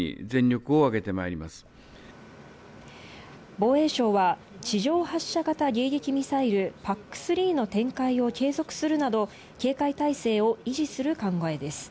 防衛省は地上発射型遊撃ミサイル「ＰＡＣ−３」の展開を継続するなど、警戒態勢を維持する考えです。